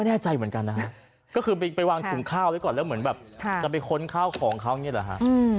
ไม่แน่ใจเหมือนกันนะก็คือไปวางกลุ่มข้าวด้วยก่อนแล้วเหมือนแบบจะไปค้นข้าวของเขาเงี้ยเหรอฮะ